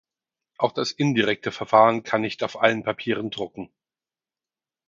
Auch das indirekte Verfahren kann nicht auf allen Papieren drucken.